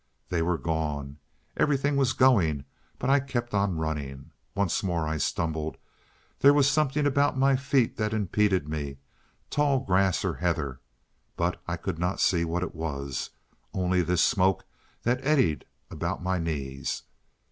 They were gone! Everything was going, but I kept on running. Once more I stumbled. There was something about my feet that impeded me, tall grass or heather, but I could not see what it was, only this smoke that eddied about my knees.